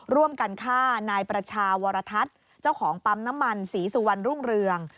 ร่วมกันฆ่านายประชาวรทัศน์เจ้าของปั๊มน้ำมันศรีสุวรรณรุ่งเรือง